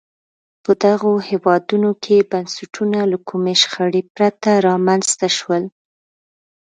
په دغو هېوادونو کې بنسټونه له کومې شخړې پرته رامنځته شول.